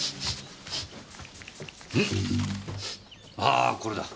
あこれだ。